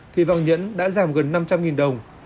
thì vàng nhẫn đã giảm gần năm trăm linh đồng